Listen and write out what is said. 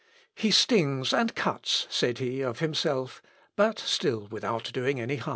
"He stings and cuts," said he of himself, "but still without doing any harm."